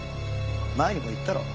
前にも言ったろう。